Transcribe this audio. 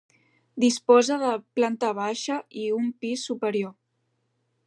Disposa de planta baixa i un pis superior.